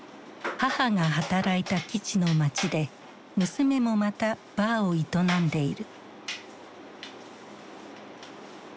母が働いた基地の街で娘もまたバーを営んでいる。